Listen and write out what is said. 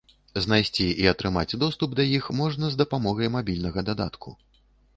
Знайсці і атрымаць доступ да іх можна з дапамогай мабільнага дадатку.